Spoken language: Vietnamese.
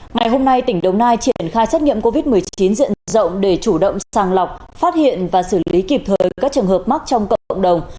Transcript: ngày hôm nay tỉnh đồng nai triển khai xét nghiệm covid một mươi chín diện rộng để chủ động sàng lọc phát hiện và xử lý kịp thời các trường hợp mắc trong cộng đồng